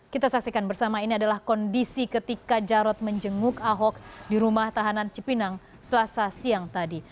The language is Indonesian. kita saksikan bersama ini adalah kondisi ketika jarod menjenguk ahok di rumah tahanan cipinang selasa siang tadi